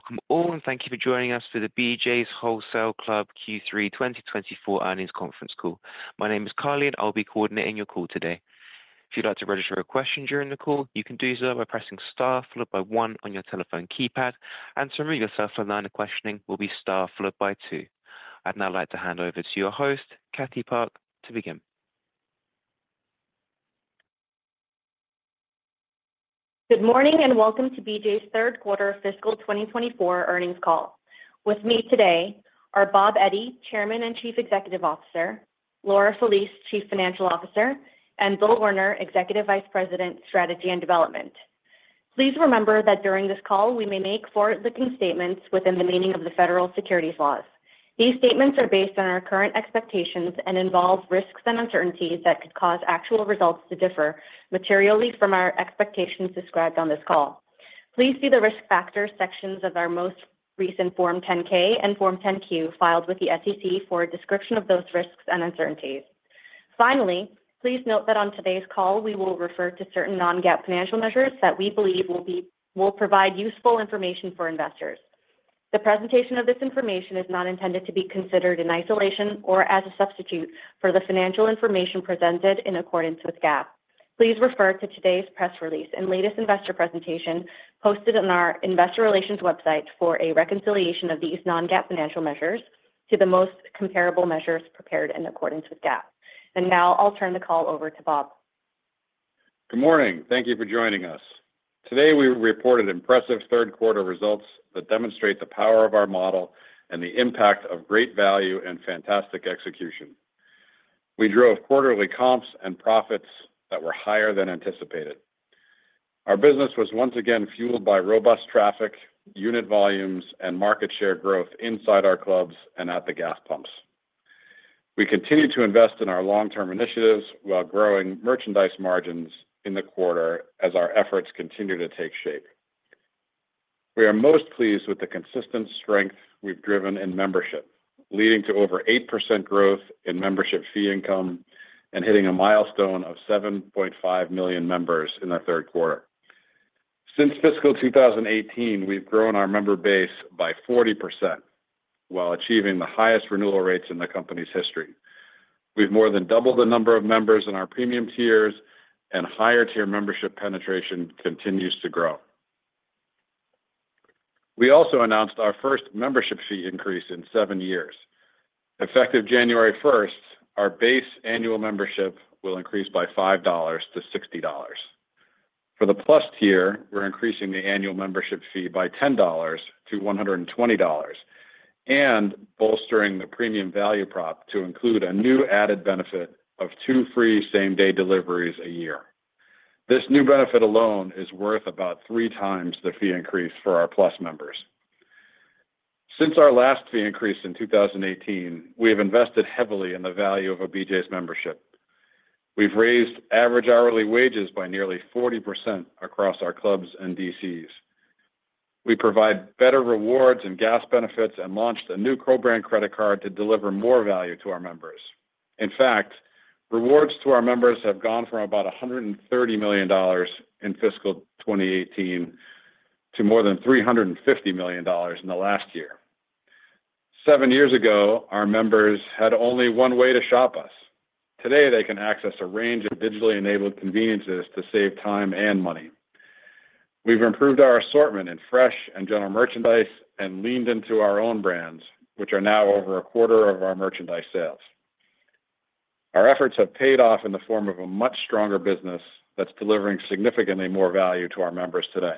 Welcome all, and thank you for joining us for the BJ's Wholesale Club Q3 2024 earnings conference call. My name is Carly, and I'll be coordinating your call today. If you'd like to register a question during the call, you can do so by pressing star followed by one on your telephone keypad, and to remove yourself from line of questioning will be star followed by two. I'd now like to hand over to your host, Cathy Park, to begin. Good morning and welcome to BJ's third quarter fiscal 2024 earnings call. With me today are Bob Eddy, Chairman and Chief Executive Officer, Laura Felice, Chief Financial Officer, and Bill Werner, Executive Vice President, Strategy and Development. Please remember that during this call, we may make forward-looking statements within the meaning of the federal securities laws. These statements are based on our current expectations and involve risks and uncertainties that could cause actual results to differ materially from our expectations described on this call. Please see the risk factor sections of our most recent Form 10-K and Form 10-Q filed with the SEC for a description of those risks and uncertainties. Finally, please note that on today's call, we will refer to certain non-GAAP financial measures that we believe will provide useful information for investors. The presentation of this information is not intended to be considered in isolation or as a substitute for the financial information presented in accordance with GAAP. Please refer to today's press release and latest investor presentation posted on our investor relations website for a reconciliation of these non-GAAP financial measures to the most comparable measures prepared in accordance with GAAP. And now I'll turn the call over to Bob. Good morning. Thank you for joining us. Today, we reported impressive third quarter results that demonstrate the power of our model and the impact of great value and fantastic execution. We drove quarterly comps and profits that were higher than anticipated. Our business was once again fueled by robust traffic, unit volumes, and market share growth inside our clubs and at the gas pumps. We continue to invest in our long-term initiatives while growing merchandise margins in the quarter as our efforts continue to take shape. We are most pleased with the consistent strength we've driven in membership, leading to over 8% growth in membership fee income and hitting a milestone of 7.5 million members in the third quarter. Since fiscal 2018, we've grown our member base by 40% while achieving the highest renewal rates in the company's history. We've more than doubled the number of members in our premium tiers, and higher tier membership penetration continues to grow. We also announced our first membership fee increase in seven years. Effective January 1st, our base annual membership will increase by $5 to $60. For the Plus tier, we're increasing the annual membership fee by $10 to $120 and bolstering the premium value prop to include a new added benefit of two free same-day deliveries a year. This new benefit alone is worth about three times the fee increase for our Plus members. Since our last fee increase in 2018, we have invested heavily in the value of a BJ's membership. We've raised average hourly wages by nearly 40% across our clubs and DCs. We provide better rewards and gas benefits and launched a new co-brand credit card to deliver more value to our members. In fact, rewards to our members have gone from about $130 million in fiscal 2018 to more than $350 million in the last year. Seven years ago, our members had only one way to shop us. Today, they can access a range of digitally enabled conveniences to save time and money. We've improved our assortment in fresh and general merchandise and leaned into our own brands, which are now over a quarter of our merchandise sales. Our efforts have paid off in the form of a much stronger business that's delivering significantly more value to our members today.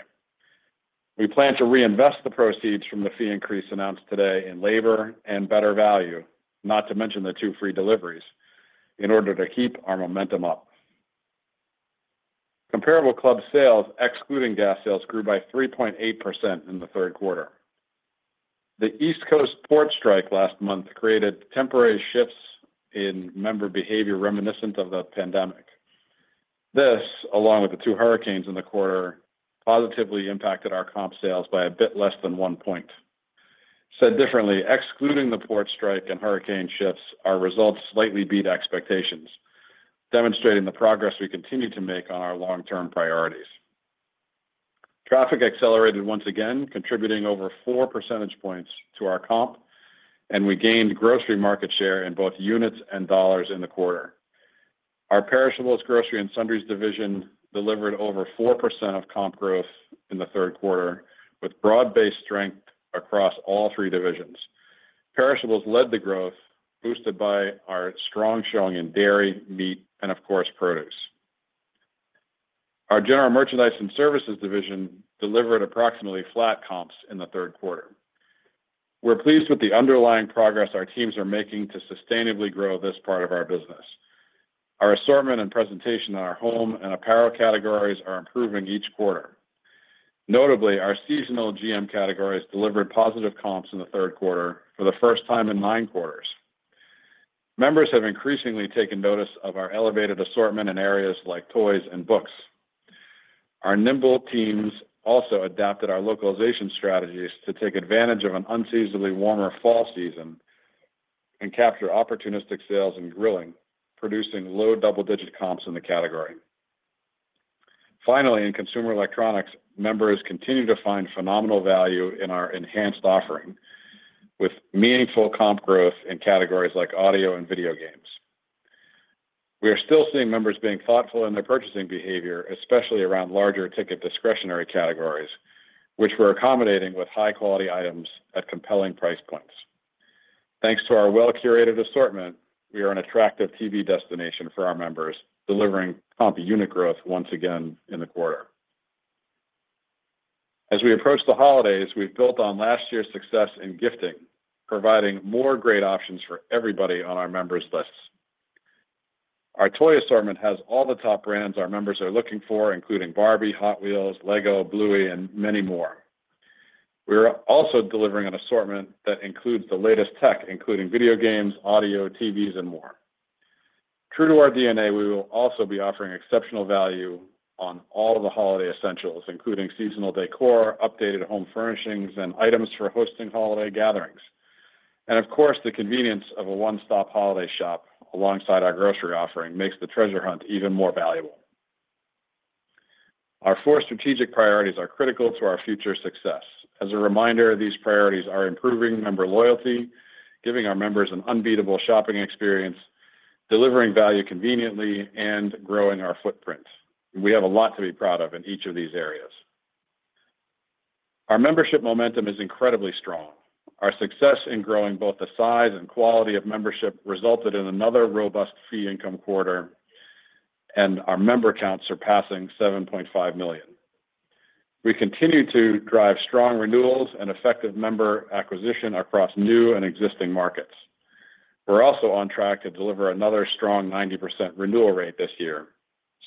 We plan to reinvest the proceeds from the fee increase announced today in labor and better value, not to mention the two free deliveries, in order to keep our momentum up. Comparable club sales, excluding gas sales, grew by 3.8% in the third quarter. The East Coast port strike last month created temporary shifts in member behavior reminiscent of the pandemic. This, along with the two hurricanes in the quarter, positively impacted our comp sales by a bit less than one point. Said differently, excluding the port strike and hurricane shifts, our results slightly beat expectations, demonstrating the progress we continue to make on our long-term priorities. Traffic accelerated once again, contributing over four percentage points to our comp, and we gained grocery market share in both units and dollars in the quarter. Our perishables, grocery, and sundries division delivered over 4% of comp growth in the third quarter, with broad-based strength across all three divisions. Perishables led the growth, boosted by our strong showing in dairy, meat, and of course, produce. Our general merchandise and services division delivered approximately flat comps in the third quarter. We're pleased with the underlying progress our teams are making to sustainably grow this part of our business. Our assortment and presentation in our home and apparel categories are improving each quarter. Notably, our seasonal GM categories delivered positive comps in the third quarter for the first time in nine quarters. Members have increasingly taken notice of our elevated assortment in areas like toys and books. Our nimble teams also adapted our localization strategies to take advantage of an unseasonably warmer fall season and capture opportunistic sales and grilling, producing low double-digit comps in the category. Finally, in consumer electronics, members continue to find phenomenal value in our enhanced offering with meaningful comp growth in categories like audio and video games. We are still seeing members being thoughtful in their purchasing behavior, especially around larger ticket discretionary categories, which we're accommodating with high-quality items at compelling price points. Thanks to our well-curated assortment, we are an attractive TV destination for our members, delivering comp unit growth once again in the quarter. As we approach the holidays, we've built on last year's success in gifting, providing more great options for everybody on our members' lists. Our toy assortment has all the top brands our members are looking for, including Barbie, Hot Wheels, LEGO, Bluey, and many more. We are also delivering an assortment that includes the latest tech, including video games, audio, TVs, and more. True to our DNA, we will also be offering exceptional value on all the holiday essentials, including seasonal decor, updated home furnishings, and items for hosting holiday gatherings and of course, the convenience of a one-stop holiday shop alongside our grocery offering makes the treasure hunt even more valuable. Our four strategic priorities are critical to our future success. As a reminder, these priorities are improving member loyalty, giving our members an unbeatable shopping experience, delivering value conveniently, and growing our footprint. We have a lot to be proud of in each of these areas. Our membership momentum is incredibly strong. Our success in growing both the size and quality of membership resulted in another robust fee income quarter and our member count surpassing 7.5 million. We continue to drive strong renewals and effective member acquisition across new and existing markets. We're also on track to deliver another strong 90% renewal rate this year,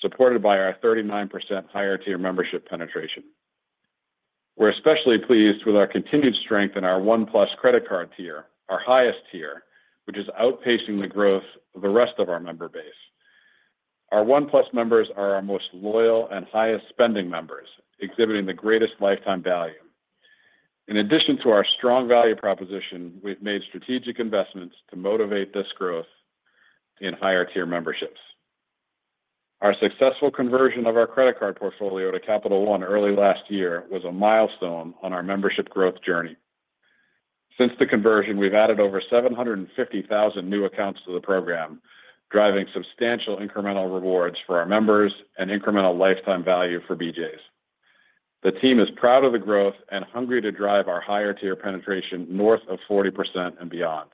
supported by our 39% higher tier membership penetration. We're especially pleased with our continued strength in our OnePlus credit card tier, our highest tier, which is outpacing the growth of the rest of our member base. Our OnePlus members are our most loyal and highest spending members, exhibiting the greatest lifetime value. In addition to our strong value proposition, we've made strategic investments to motivate this growth in higher tier memberships. Our successful conversion of our credit card portfolio to Capital One early last year was a milestone on our membership growth journey. Since the conversion, we've added over 750,000 new accounts to the program, driving substantial incremental rewards for our members and incremental lifetime value for BJ's. The team is proud of the growth and hungry to drive our higher tier penetration north of 40% and beyond.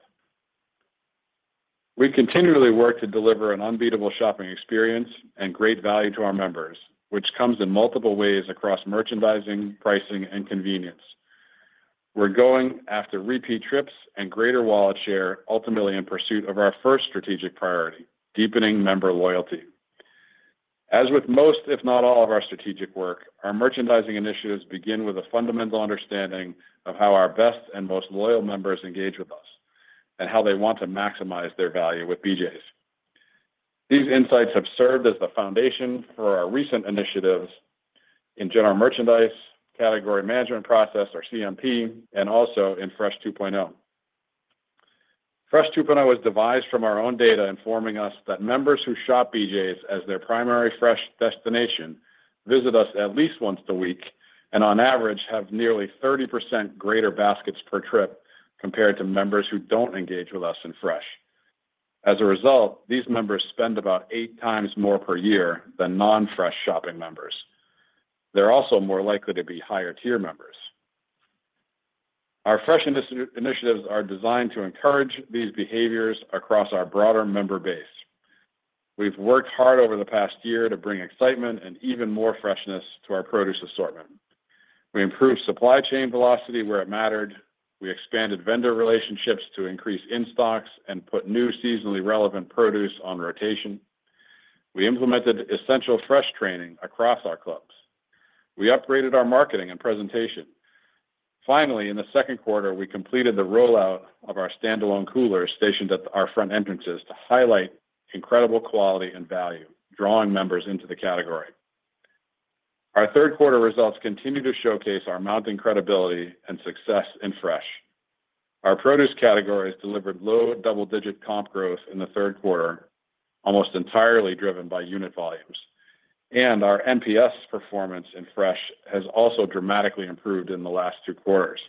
We continually work to deliver an unbeatable shopping experience and great value to our members, which comes in multiple ways across merchandising, pricing, and convenience. We're going after repeat trips and greater wallet share, ultimately in pursuit of our first strategic priority: deepening member loyalty. As with most, if not all, of our strategic work, our merchandising initiatives begin with a fundamental understanding of how our best and most loyal members engage with us and how they want to maximize their value with BJ's. These insights have served as the foundation for our recent initiatives in general merchandise category management process, or CMP, and also in Fresh 2.0. Fresh 2.0 is devised from our own data, informing us that members who shop BJ's as their primary fresh destination visit us at least once a week and, on average, have nearly 30% greater baskets per trip compared to members who don't engage with us in Fresh. As a result, these members spend about eight times more per year than non-Fresh shopping members. They're also more likely to be higher tier members. Our Fresh initiatives are designed to encourage these behaviors across our broader member base. We've worked hard over the past year to bring excitement and even more freshness to our produce assortment. We improved supply chain velocity where it mattered. We expanded vendor relationships to increase in-stocks and put new seasonally relevant produce on rotation. We implemented essential Fresh training across our clubs. We upgraded our marketing and presentation. Finally, in the second quarter, we completed the rollout of our standalone coolers stationed at our front entrances to highlight incredible quality and value, drawing members into the category. Our third quarter results continue to showcase our mounting credibility and success in fresh. Our produce categories delivered low double-digit comp growth in the third quarter, almost entirely driven by unit volumes, and our NPS performance in Fresh has also dramatically improved in the last two quarters.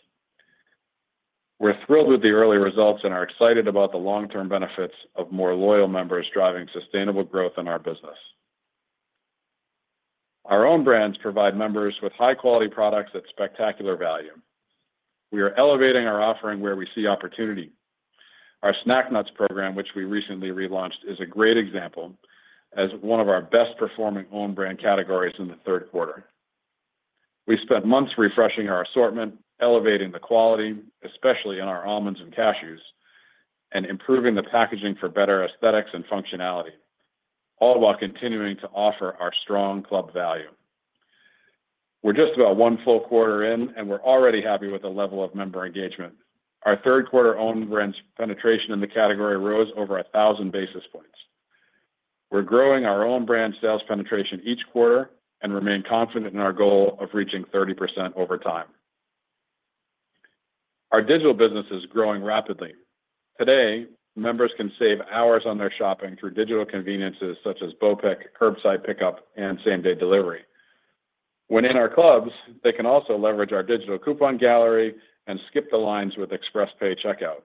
We're thrilled with the early results and are excited about the long-term benefits of more loyal members driving sustainable growth in our business. Our own brands provide members with high-quality products at spectacular value. We are elevating our offering where we see opportunity. Our snack nuts program, which we recently relaunched, is a great example as one of our best-performing owned brand categories in the third quarter. We spent months refreshing our assortment, elevating the quality, especially in our almonds and cashews, and improving the packaging for better aesthetics and functionality, all while continuing to offer our strong club value. We're just about one full quarter in, and we're already happy with the level of member engagement. Our third quarter owned brands penetration in the category rose over 1,000 basis points. We're growing our own brand sales penetration each quarter and remain confident in our goal of reaching 30% over time. Our digital business is growing rapidly. Today, members can save hours on their shopping through digital conveniences such as BOPIC, Curbside Pickup, and Same-day Delivery. When in our clubs, they can also leverage our digital coupon gallery and skip the lines with ExpressPay checkout.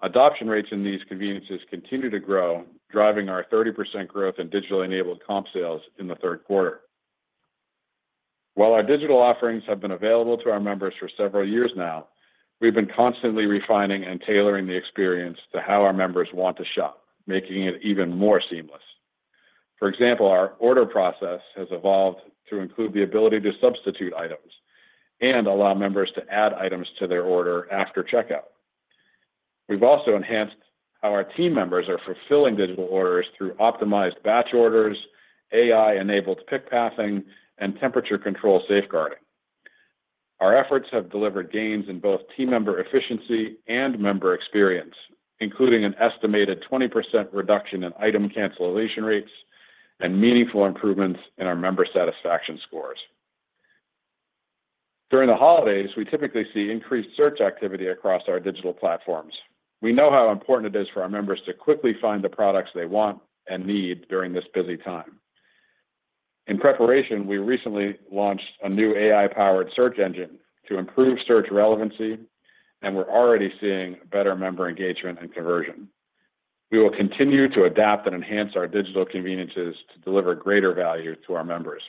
Adoption rates in these conveniences continue to grow, driving our 30% growth in digital-enabled comp sales in the third quarter. While our digital offerings have been available to our members for several years now, we've been constantly refining and tailoring the experience to how our members want to shop, making it even more seamless. For example, our order process has evolved to include the ability to substitute items and allow members to add items to their order after checkout. We've also enhanced how our team members are fulfilling digital orders through optimized batch orders, AI-enabled pick pathing, and temperature control safeguarding. Our efforts have delivered gains in both team member efficiency and member experience, including an estimated 20% reduction in item cancellation rates and meaningful improvements in our member satisfaction scores. During the holidays, we typically see increased search activity across our digital platforms. We know how important it is for our members to quickly find the products they want and need during this busy time. In preparation, we recently launched a new AI-powered search engine to improve search relevancy, and we're already seeing better member engagement and conversion. We will continue to adapt and enhance our digital conveniences to deliver greater value to our members.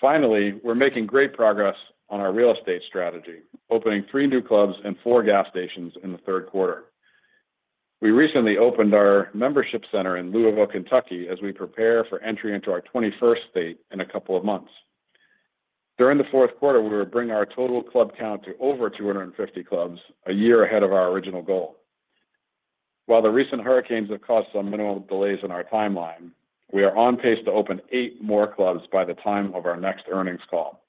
Finally, we're making great progress on our real estate strategy, opening three new clubs and four gas stations in the third quarter. We recently opened our membership center in Louisville, Kentucky, as we prepare for entry into our 21st state in a couple of months. During the fourth quarter, we will bring our total club count to over 250 clubs, a year ahead of our original goal. While the recent hurricanes have caused some minimal delays in our timeline, we are on pace to open eight more clubs by the time of our next earnings call.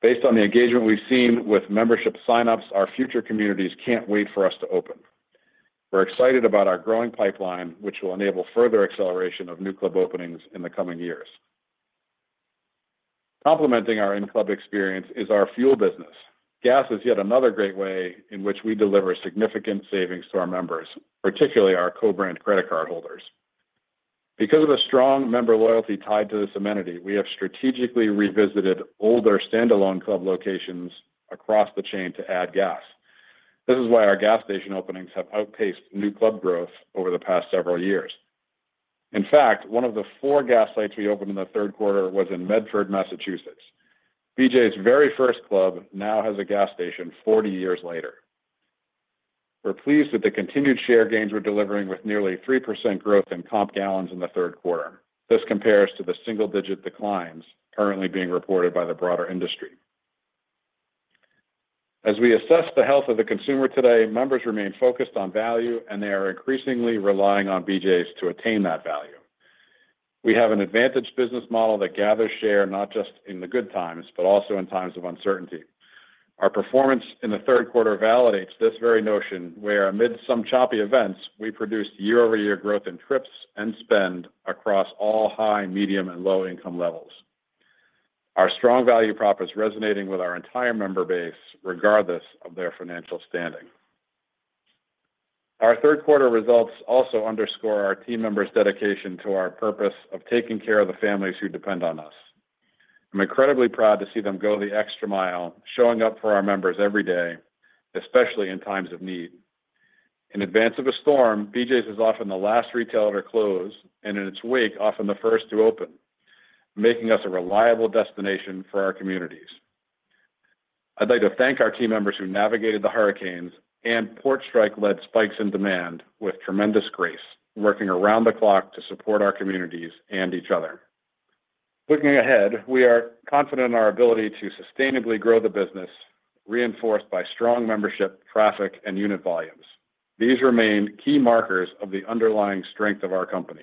Based on the engagement we've seen with membership sign-ups, our future communities can't wait for us to open. We're excited about our growing pipeline, which will enable further acceleration of new club openings in the coming years. Complementing our in-club experience is our fuel business. Gas is yet another great way in which we deliver significant savings to our members, particularly our co-brand credit card holders. Because of the strong member loyalty tied to this amenity, we have strategically revisited older standalone club locations across the chain to add gas. This is why our gas station openings have outpaced new club growth over the past several years. In fact, one of the four gas sites we opened in the third quarter was in Medford, Massachusetts. BJ's very first club now has a gas station 40 years later. We're pleased with the continued share gains we're delivering with nearly 3% growth in comp gallons in the third quarter. This compares to the single-digit declines currently being reported by the broader industry. As we assess the health of the consumer today, members remain focused on value, and they are increasingly relying on BJ's to attain that value. We have an advantage business model that gathers share not just in the good times, but also in times of uncertainty. Our performance in the third quarter validates this very notion where, amid some choppy events, we produced year-over-year growth in trips and spend across all high, medium, and low-income levels. Our strong value prop is resonating with our entire member base regardless of their financial standing. Our third quarter results also underscore our team members' dedication to our purpose of taking care of the families who depend on us. I'm incredibly proud to see them go the extra mile, showing up for our members every day, especially in times of need. In advance of a storm, BJ's is often the last retailer to close, and in its wake, often the first to open, making us a reliable destination for our communities. I'd like to thank our team members who navigated the hurricanes and port strike-led spikes in demand with tremendous grace, working around the clock to support our communities and each other. Looking ahead, we are confident in our ability to sustainably grow the business, reinforced by strong membership, traffic, and unit volumes. These remain key markers of the underlying strength of our company.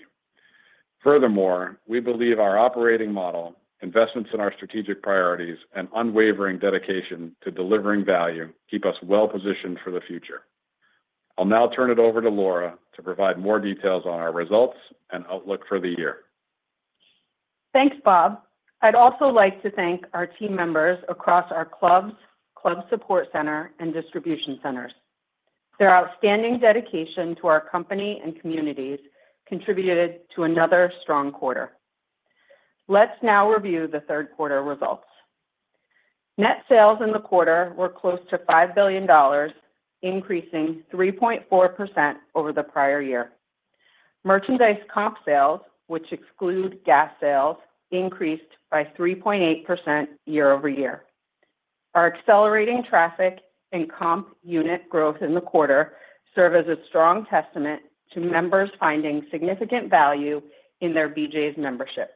Furthermore, we believe our operating model, investments in our strategic priorities, and unwavering dedication to delivering value keep us well-positioned for the future. I'll now turn it over to Laura to provide more details on our results and outlook for the year. Thanks, Bob. I'd also like to thank our team members across our clubs, club support center, and distribution centers. Their outstanding dedication to our company and communities contributed to another strong quarter. Let's now review the third quarter results. Net sales in the quarter were close to $5 billion, increasing 3.4% over the prior year. Merchandise comp sales, which exclude gas sales, increased by 3.8% year-over-year. Our accelerating traffic and comp unit growth in the quarter serve as a strong testament to members finding significant value in their BJ's membership.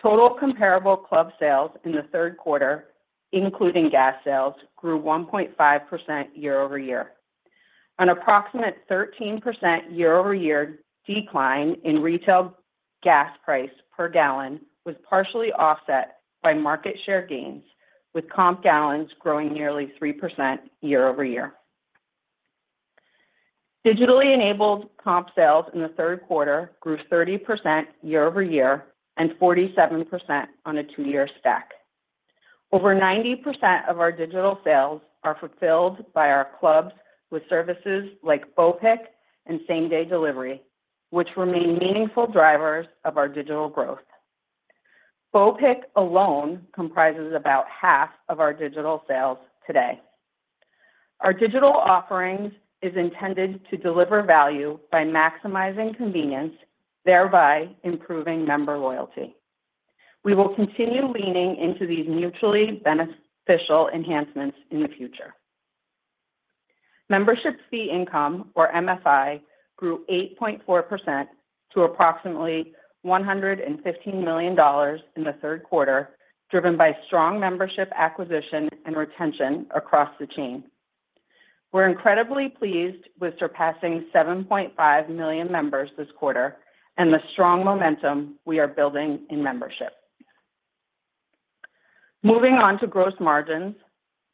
Total comparable club sales in the third quarter, including gas sales, grew 1.5% year-over-year. An approximate 13% year-over-year decline in retail gas price per gallon was partially offset by market share gains, with comp gallons growing nearly 3% year-over-year. Digitally-enabled comp sales in the third quarter grew 30% year-over-year and 47% on a two-year stack. Over 90% of our digital sales are fulfilled by our clubs with services like BOPIC and same-day delivery, which remain meaningful drivers of our digital growth. BOPIC alone comprises about half of our digital sales today. Our digital offerings are intended to deliver value by maximizing convenience, thereby improving member loyalty. We will continue leaning into these mutually beneficial enhancements in the future. Membership fee income, or MFI, grew 8.4% to approximately $115 million in the third quarter, driven by strong membership acquisition and retention across the chain. We're incredibly pleased with surpassing 7.5 million members this quarter and the strong momentum we are building in membership. Moving on to gross margins,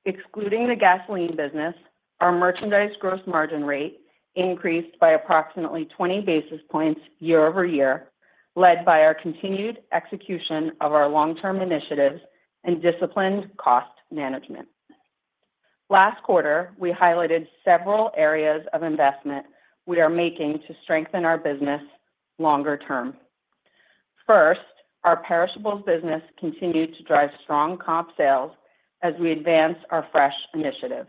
excluding the gasoline business, our merchandise gross margin rate increased by approximately 20 basis points year-over-year, led by our continued execution of our long-term initiatives and disciplined cost management. Last quarter, we highlighted several areas of investment we are making to strengthen our business longer term. First, our perishables business continued to drive strong comp sales as we advance our fresh initiatives.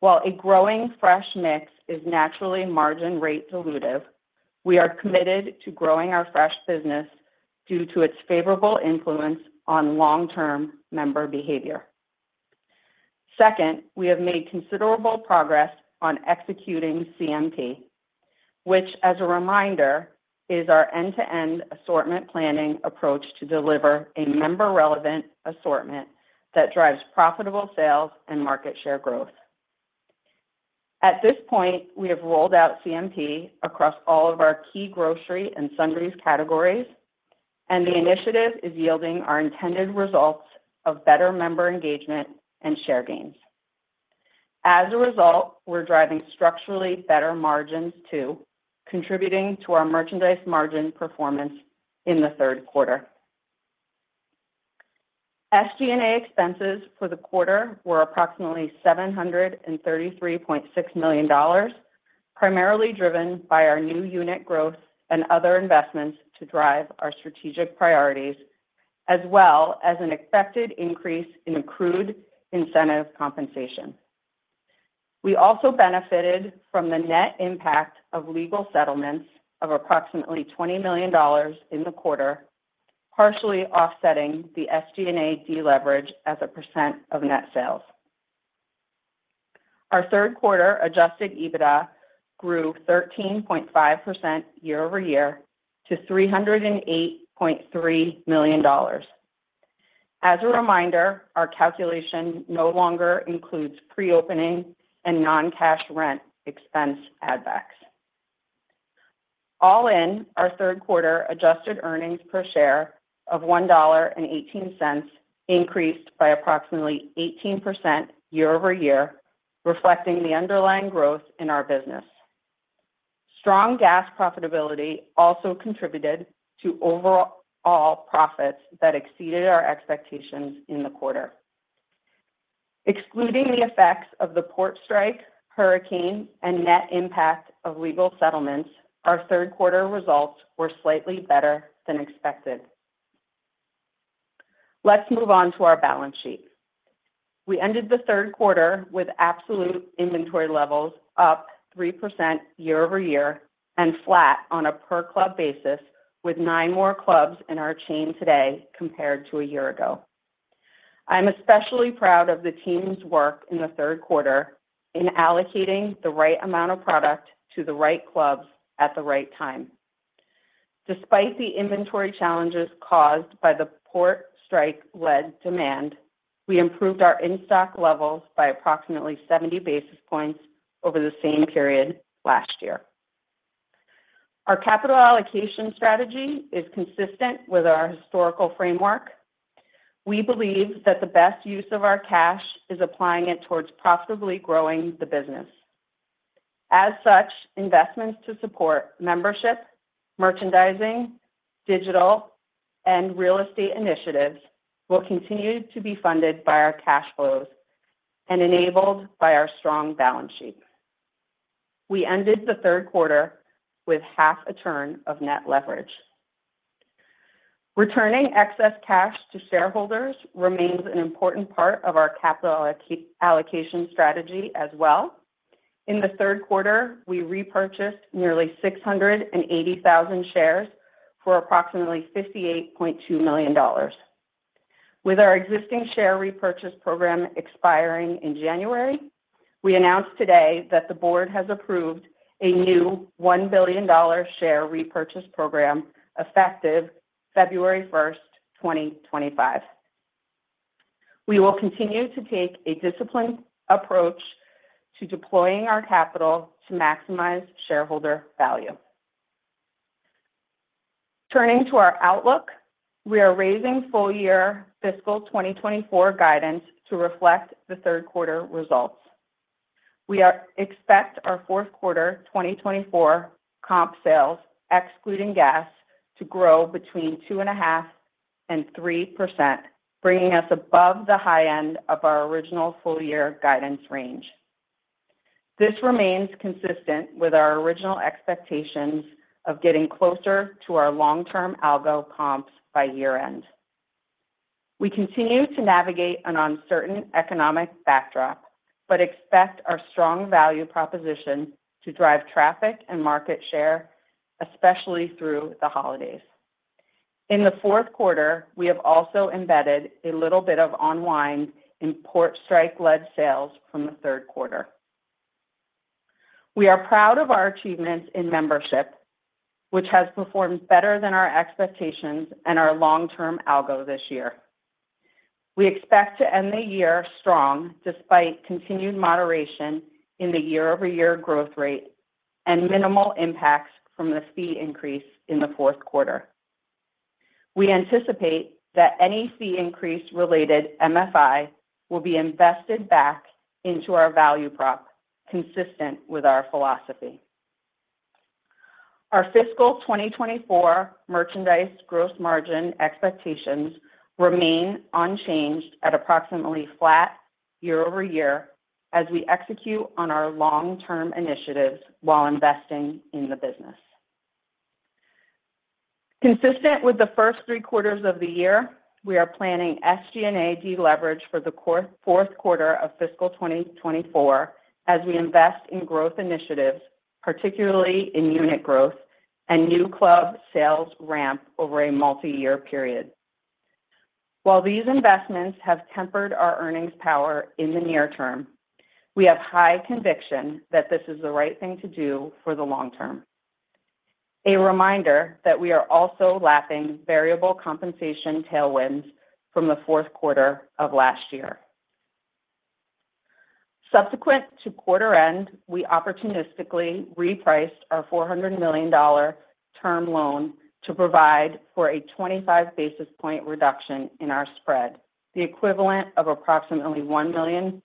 While a growing fresh mix is naturally margin-rate dilutive, we are committed to growing our fresh business due to its favorable influence on long-term member behavior. Second, we have made considerable progress on executing CMP, which, as a reminder, is our end-to-end assortment planning approach to deliver a member-relevant assortment that drives profitable sales and market share growth. At this point, we have rolled out CMP across all of our key grocery and sundries categories, and the initiative is yielding our intended results of better member engagement and share gains. As a result, we're driving structurally better margins too, contributing to our merchandise margin performance in the third quarter. SG&A expenses for the quarter were approximately $733.6 million, primarily driven by our new unit growth and other investments to drive our strategic priorities, as well as an expected increase in accrued incentive compensation. We also benefited from the net impact of legal settlements of approximately $20 million in the quarter, partially offsetting the SG&A deleverage as a percent of net sales. Our third quarter adjusted EBITDA grew 13.5% year-over-year to $308.3 million. As a reminder, our calculation no longer includes pre-opening and non-cash rent expense add-backs. All in, our third quarter adjusted earnings per share of $1.18 increased by approximately 18% year-over-year, reflecting the underlying growth in our business. Strong gas profitability also contributed to overall profits that exceeded our expectations in the quarter. Excluding the effects of the port strike, hurricane, and net impact of legal settlements, our third quarter results were slightly better than expected. Let's move on to our balance sheet. We ended the third quarter with absolute inventory levels up 3% year-over-year and flat on a per-club basis, with nine more clubs in our chain today compared to a year ago. I'm especially proud of the team's work in the third quarter in allocating the right amount of product to the right clubs at the right time. Despite the inventory challenges caused by the port strike-led demand, we improved our in-stock levels by approximately 70 basis points over the same period last year. Our capital allocation strategy is consistent with our historical framework. We believe that the best use of our cash is applying it towards profitably growing the business. As such, investments to support membership, merchandising, digital, and real estate initiatives will continue to be funded by our cash flows and enabled by our strong balance sheet. We ended the third quarter with 0.5 turn of net leverage. Returning excess cash to shareholders remains an important part of our capital allocation strategy as well. In the third quarter, we repurchased nearly 680,000 shares for approximately $58.2 million. With our existing share repurchase program expiring in January, we announced today that the board has approved a new $1 billion share repurchase program effective February 1, 2025. We will continue to take a disciplined approach to deploying our capital to maximize shareholder value. Turning to our outlook, we are raising full-year fiscal 2024 guidance to reflect the third quarter results. We expect our fourth quarter 2024 comp sales, excluding gas, to grow between 2.5% and 3%, bringing us above the high end of our original full-year guidance range. This remains consistent with our original expectations of getting closer to our long-term algo comps by year-end. We continue to navigate an uncertain economic backdrop, but expect our strong value proposition to drive traffic and market share, especially through the holidays. In the fourth quarter, we have also embedded a little bit of unwind in port strike-led sales from the third quarter. We are proud of our achievements in membership, which has performed better than our expectations and our long-term algo this year. We expect to end the year strong despite continued moderation in the year-over-year growth rate and minimal impacts from the fee increase in the fourth quarter. We anticipate that any fee increase related MFI will be invested back into our value prop, consistent with our philosophy. Our fiscal 2024 merchandise gross margin expectations remain unchanged at approximately flat year-over-year as we execute on our long-term initiatives while investing in the business. Consistent with the first three quarters of the year, we are planning SG&A deleverage for the fourth quarter of fiscal 2024 as we invest in growth initiatives, particularly in unit growth and new club sales ramp over a multi-year period. While these investments have tempered our earnings power in the near term, we have high conviction that this is the right thing to do for the long term. A reminder that we are also lapping variable compensation tailwinds from the fourth quarter of last year. Subsequent to quarter end, we opportunistically repriced our $400 million term loan to provide for a 25 basis points reduction in our spread, the equivalent of approximately $1 million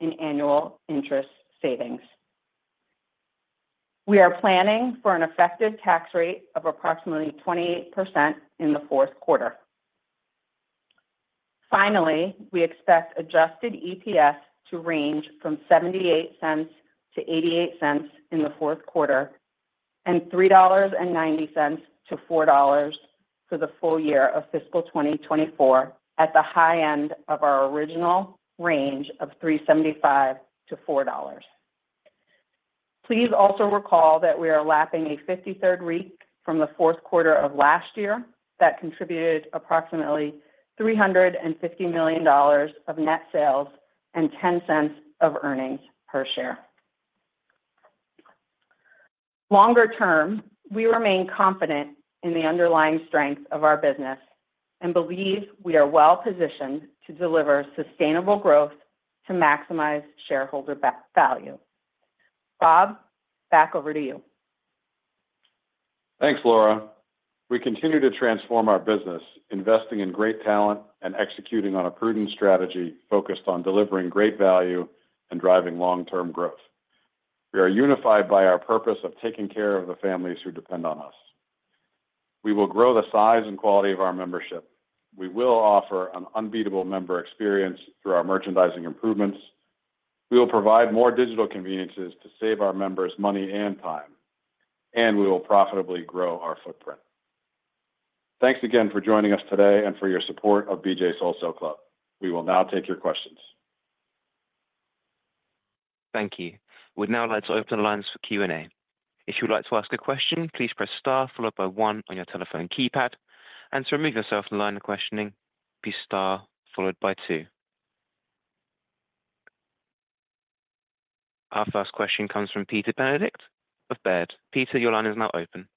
in annual interest savings. We are planning for an effective tax rate of approximately 28% in the fourth quarter. Finally, we expect Adjusted EPS to range from $0.78-$0.88 in the fourth quarter and $3.90-$4 for the full year of fiscal 2024 at the high end of our original range of $3.75-$4. Please also recall that we are lapping a 53rd week from the fourth quarter of last year that contributed approximately $350 million of net sales and $0.10 of earnings per share. Longer term, we remain confident in the underlying strength of our business and believe we are well-positioned to deliver sustainable growth to maximize shareholder value. Bob, back over to you. Thanks, Laura. We continue to transform our business, investing in great talent and executing on a prudent strategy focused on delivering great value and driving long-term growth. We are unified by our purpose of taking care of the families who depend on us. We will grow the size and quality of our membership. We will offer an unbeatable member experience through our merchandising improvements. We will provide more digital conveniences to save our members money and time, and we will profitably grow our footprint. Thanks again for joining us today and for your support of BJ's Wholesale Club. We will now take your questions. Thank you. We'd now like to open the lines for Q&A. If you'd like to ask a question, please press Star followed by 1 on your telephone keypad, and to remove yourself from the line of questioning, please press Star followed by 2. Our first question comes from Peter Benedict of Baird. Peter, your line is now open.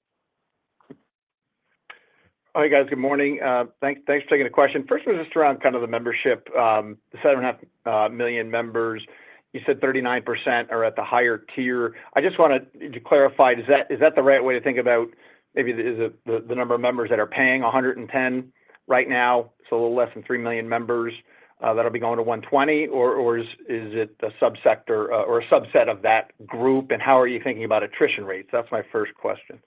Hi guys, good morning. Thanks for taking the question. First, we'll just run kind of the membership, the 7.5 million members. You said 39% are at the higher tier. I just wanted to clarify, is that the right way to think about maybe the number of members that are paying $110 right now? So a little less than three million members that will be going to $120, or is it a subsector or a subset of that group? And how are you thinking about attrition rates? That's my first question.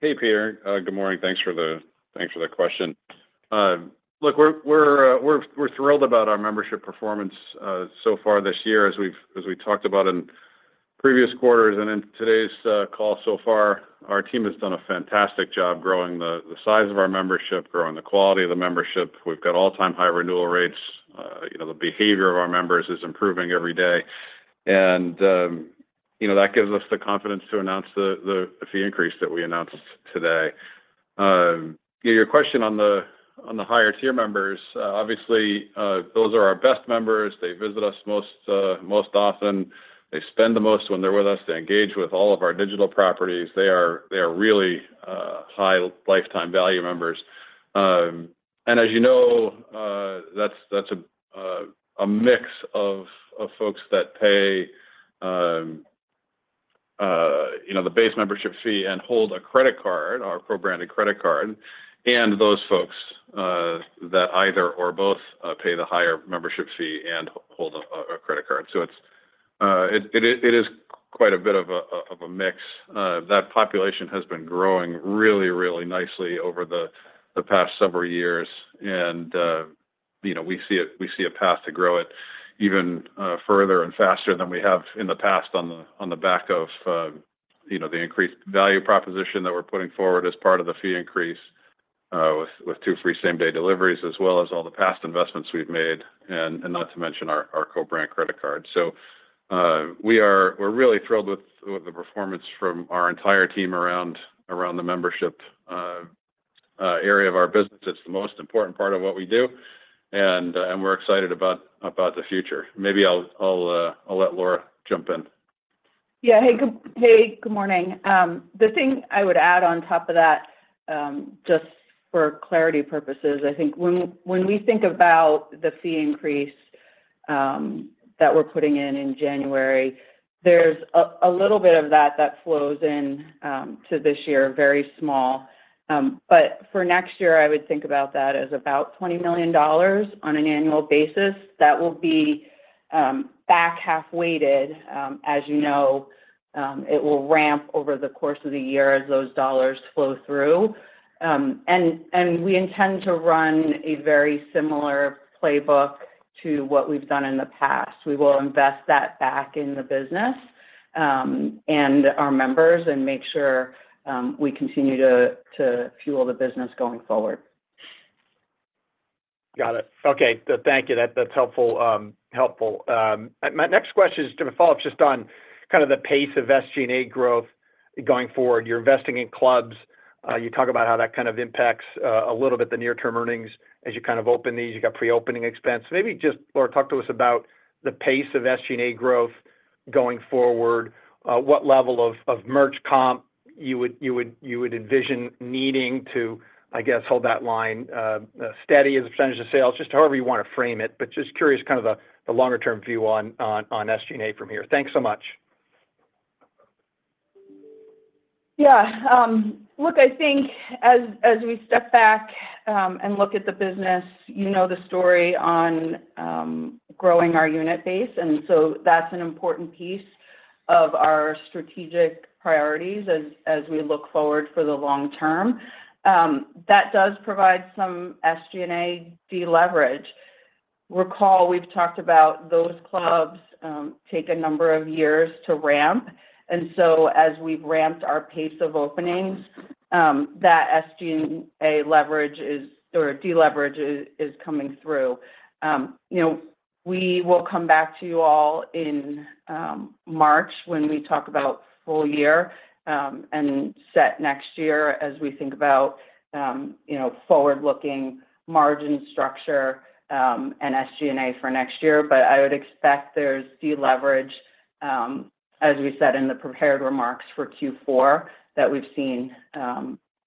Hey, Peter. Good morning. Thanks for the question. Look, we're thrilled about our membership performance so far this year, as we talked about in previous quarters. And in today's call so far, our team has done a fantastic job growing the size of our membership, growing the quality of the membership. We've got all-time high renewal rates. The behavior of our members is improving every day. And that gives us the confidence to announce the fee increase that we announced today. Your question on the higher tier members, obviously, those are our best members. They visit us most often. They spend the most when they're with us. They engage with all of our digital properties. They are really high lifetime value members. And as you know, that's a mix of folks that pay the base membership fee and hold a credit card, our co-branded credit card, and those folks that either or both pay the higher membership fee and hold a credit card. So it is quite a bit of a mix. That population has been growing really, really nicely over the past several years, and we see a path to grow it even further and faster than we have in the past on the back of the increased value proposition that we're putting forward as part of the fee increase with two free same-day deliveries, as well as all the past investments we've made, and not to mention our co-brand credit card. So we're really thrilled with the performance from our entire team around the membership area of our business. It's the most important part of what we do, and we're excited about the future. Maybe I'll let Laura jump in. Yeah. Hey, good morning. The thing I would add on top of that, just for clarity purposes, I think when we think about the fee increase that we're putting in in January, there's a little bit of that that flows into this year, very small. But for next year, I would think about that as about $20 million on an annual basis. That will be back half-weighted. As you know, it will ramp over the course of the year as those dollars flow through. And we intend to run a very similar playbook to what we've done in the past. We will invest that back in the business and our members and make sure we continue to fuel the business going forward. Got it. Okay. Thank you. That's helpful. My next question is to follow up just on kind of the pace of SG&A growth going forward. You're investing in clubs. You talk about how that kind of impacts a little bit the near-term earnings as you kind of open these. You've got pre-opening expense. Maybe just, Laura, talk to us about the pace of SG&A growth going forward, what level of merch comp you would envision needing to, I guess, hold that line steady as a percentage of sales, just however you want to frame it, but just curious kind of the longer-term view on SG&A from here. Thanks so much. Yeah. Look, I think as we step back and look at the business, you know the story on growing our unit base. And so that's an important piece of our strategic priorities as we look forward for the long term. That does provide some SG&A deleverage. Recall, we've talked about those clubs take a number of years to ramp. As we've ramped our pace of openings, that SG&A deleverage is coming through. We will come back to you all in March when we talk about full year and set next year as we think about forward-looking margin structure and SG&A for next year. I would expect there's deleverage, as we said in the prepared remarks for Q4, that we've seen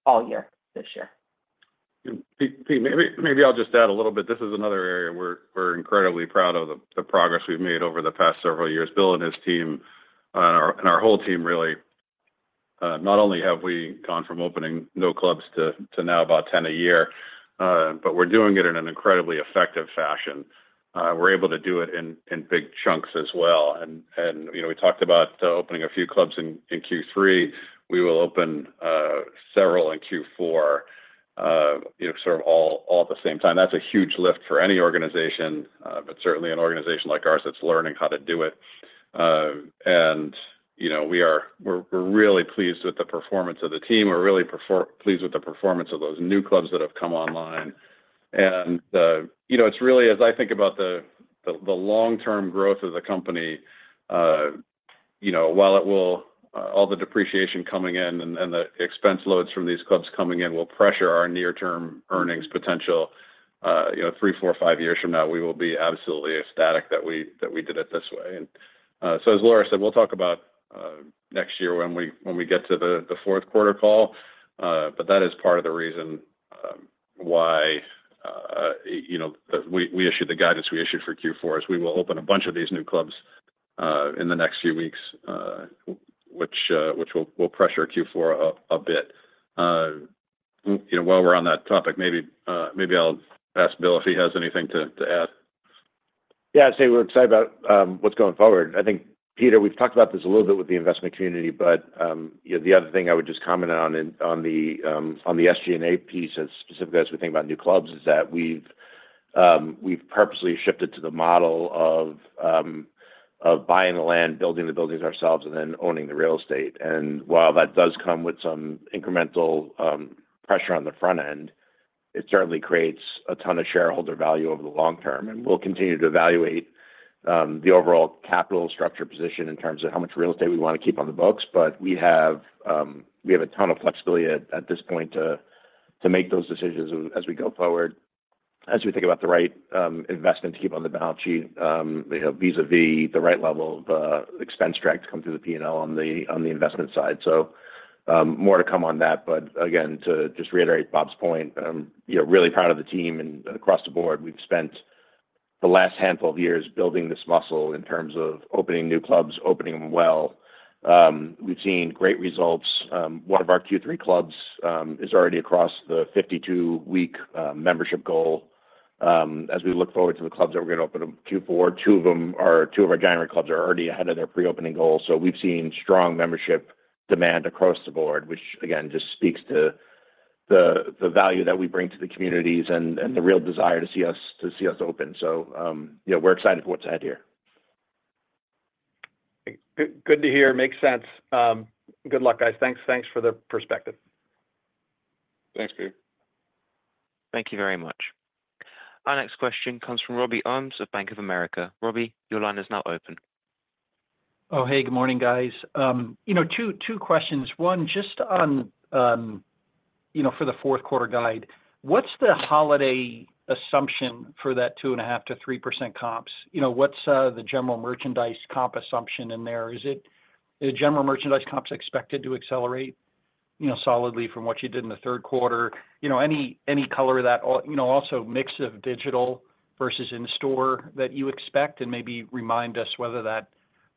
all year this year. Maybe I'll just add a little bit. This is another area we're incredibly proud of the progress we've made over the past several years. Bill and his team and our whole team, really, not only have we gone from opening no clubs to now about 10 a year, but we're doing it in an incredibly effective fashion. We're able to do it in big chunks as well. We talked about opening a few clubs in Q3. We will open several in Q4, sort of all at the same time. That's a huge lift for any organization, but certainly an organization like ours that's learning how to do it. And we're really pleased with the performance of the team. We're really pleased with the performance of those new clubs that have come online. And it's really, as I think about the long-term growth of the company, while all the depreciation coming in and the expense loads from these clubs coming in will pressure our near-term earnings potential three, four, five years from now, we will be absolutely ecstatic that we did it this way. And so, as Laura said, we'll talk about next year when we get to the fourth quarter call. But that is part of the reason why we issued the guidance we issued for Q4 is we will open a bunch of these new clubs in the next few weeks, which will pressure Q4 a bit. While we're on that topic, maybe I'll ask Bill if he has anything to add. Yeah. I'd say we're excited about what's going forward. I think, Peter, we've talked about this a little bit with the investment community, but the other thing I would just comment on the SG&A piece, specifically as we think about new clubs, is that we've purposely shifted to the model of buying the land, building the buildings ourselves, and then owning the real estate. And while that does come with some incremental pressure on the front end, it certainly creates a ton of shareholder value over the long term. We'll continue to evaluate the overall capital structure position in terms of how much real estate we want to keep on the books. But we have a ton of flexibility at this point to make those decisions as we go forward, as we think about the right investment to keep on the balance sheet, vis-à-vis the right level of expense track to come through the P&L on the investment side. So more to come on that. But again, to just reiterate Bob's point, really proud of the team. And across the board, we've spent the last handful of years building this muscle in terms of opening new clubs, opening them well. We've seen great results. One of our Q3 clubs is already across the 52-week membership goal. As we look forward to the clubs that we're going to open up Q4, two of our January clubs are already ahead of their pre-opening goals. So we've seen strong membership demand across the board, which, again, just speaks to the value that we bring to the communities and the real desire to see us open. So we're excited for what's ahead here. Good to hear. Makes sense. Good luck, guys. Thanks for the perspective. Thanks, Peter. Thank you very much. Our next question comes from Robbie Ohmes of Bank of America. Robbie, your line is now open. Oh, hey, good morning, guys. Two questions. One, just for the fourth quarter guide, what's the holiday assumption for that 2.5%-3% comps? What's the general merchandise comp assumption in there? Is general merchandise comps expected to accelerate solidly from what you did in the third quarter? Any color of that? Also, mix of digital versus in-store that you expect, and maybe remind us whether that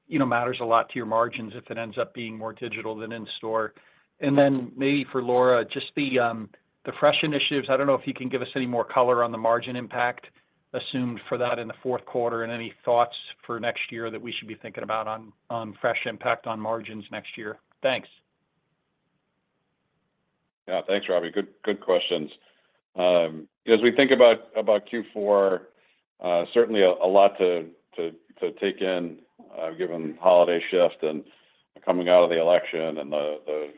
matters a lot to your margins if it ends up being more digital than in-store. And then maybe for Laura, just the fresh initiatives. I don't know if you can give us any more color on the margin impact assumed for that in the fourth quarter, and any thoughts for next year that we should be thinking about on fresh impact on margins next year. Thanks. Yeah. Thanks, Robbie. Good questions. As we think about Q4, certainly a lot to take in given holiday shift and coming out of the election and the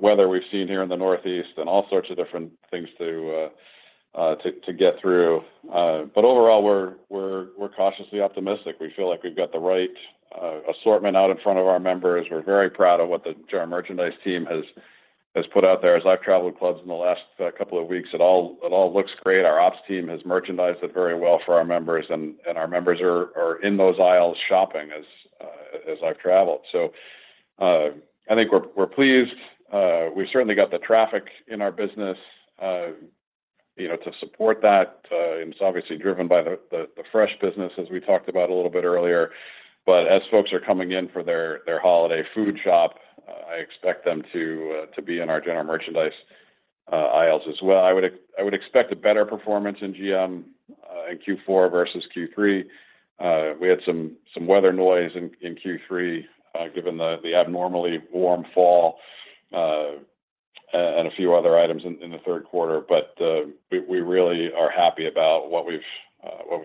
weather we've seen here in the Northeast and all sorts of different things to get through, but overall, we're cautiously optimistic. We feel like we've got the right assortment out in front of our members. We're very proud of what the general merchandise team has put out there. As I've traveled clubs in the last couple of weeks, it all looks great. Our ops team has merchandised it very well for our members, and our members are in those aisles shopping as I've traveled. So I think we're pleased. We've certainly got the traffic in our business to support that. It's obviously driven by the fresh business, as we talked about a little bit earlier. But as folks are coming in for their holiday food shop, I expect them to be in our general merchandise aisles as well. I would expect a better performance in GM in Q4 versus Q3. We had some weather noise in Q3, given the abnormally warm fall and a few other items in the third quarter. But we really are happy about what we've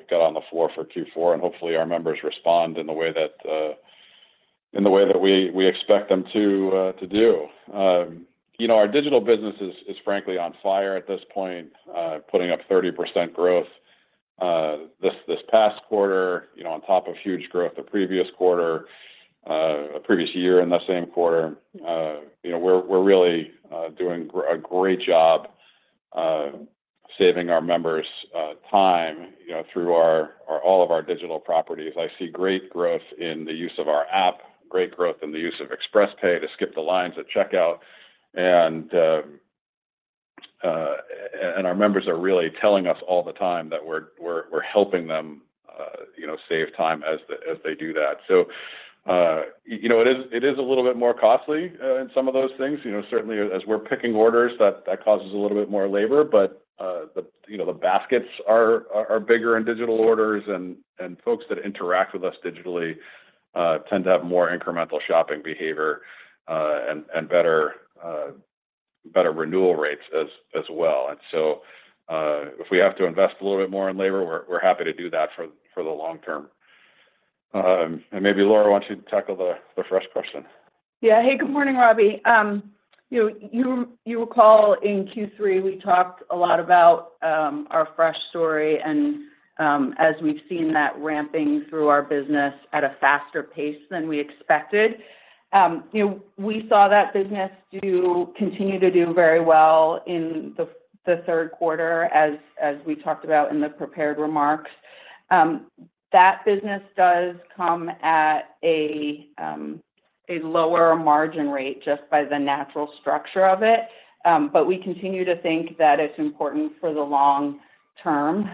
got on the floor for Q4, and hopefully, our members respond in the way that we expect them to do. Our digital business is, frankly, on fire at this point, putting up 30% growth this past quarter, on top of huge growth the previous quarter, previous year in the same quarter. We're really doing a great job saving our members time through all of our digital properties. I see great growth in the use of our app, great growth in the use of ExpressPay to skip the lines at checkout. And our members are really telling us all the time that we're helping them save time as they do that. So it is a little bit more costly in some of those things. Certainly, as we're picking orders, that causes a little bit more labor. But the baskets are bigger in digital orders, and folks that interact with us digitally tend to have more incremental shopping behavior and better renewal rates as well. And so if we have to invest a little bit more in labor, we're happy to do that for the long term. And maybe, Laura, why don't you tackle the fresh question? Yeah. Hey, good morning, Robbie. You recall in Q3, we talked a lot about our fresh story, and as we've seen that ramping through our business at a faster pace than we expected, we saw that business continue to do very well in the third quarter, as we talked about in the prepared remarks. That business does come at a lower margin rate just by the natural structure of it. But we continue to think that it's important for the long term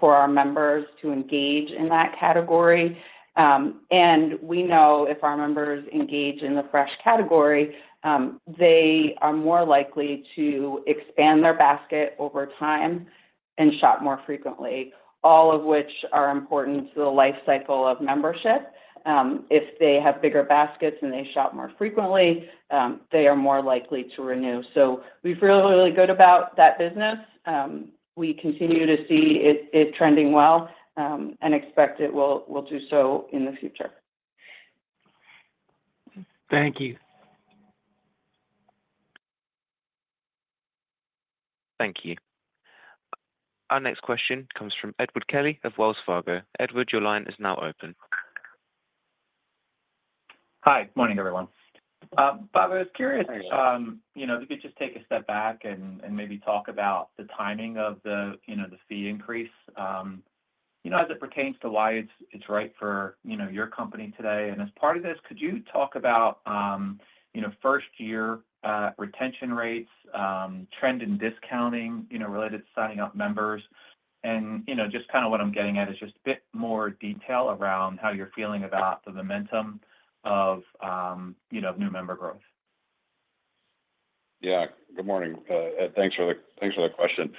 for our members to engage in that category. And we know if our members engage in the fresh category, they are more likely to expand their basket over time and shop more frequently, all of which are important to the lifecycle of membership. If they have bigger baskets and they shop more frequently, they are more likely to renew. So we feel really good about that business. We continue to see it trending well and expect it will do so in the future. Thank you. Thank you. Our next question comes from Edward Kelly of Wells Fargo. Edward, your line is now open. Hi. Good morning, everyone. Bob, I was curious if you could just take a step back and maybe talk about the timing of the fee increase as it pertains to why it's right for your company today. And as part of this, could you talk about first-year retention rates, trend in discounting related to signing up members, and just kind of what I'm getting at is just a bit more detail around how you're feeling about the momentum of new member growth? Yeah. Good morning. Thanks for the question.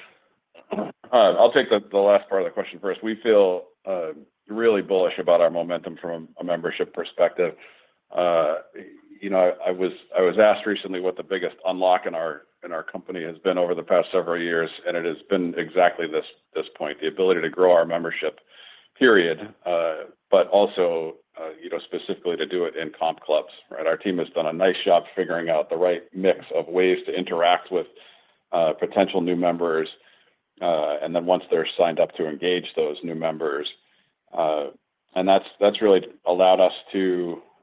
I'll take the last part of the question first. We feel really bullish about our momentum from a membership perspective. I was asked recently what the biggest unlock in our company has been over the past several years, and it has been exactly this point: the ability to grow our membership, period, but also specifically to do it in comp clubs. Our team has done a nice job figuring out the right mix of ways to interact with potential new members, and then once they're signed up to engage those new members. And that's really allowed